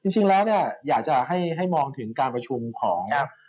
จริงแล้วเนี่ยอยากจะให้มองถึงการประชุมของ